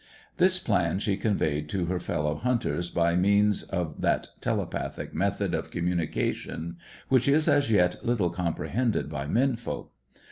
This plan she conveyed to her fellow hunters by means of that telepathic method of communication which is as yet little comprehended by men folk.